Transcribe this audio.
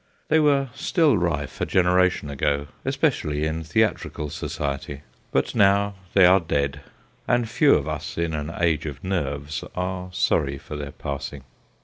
They were still rife a genera tion ago, especially in theatrical society, but now they are dead, and few of us in an age of nerves are sorry for their passing.